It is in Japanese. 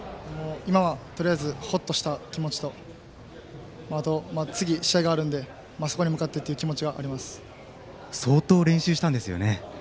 今とりあえずほっとした気持ちと次の試合があるのでそこに向かってという相当練習したんですよね？